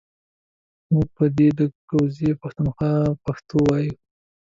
مونږ به ده ده کوزې پښتونخوا پښتو وايو